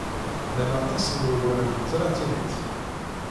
Llan aṭas n wawalen n tlatinit.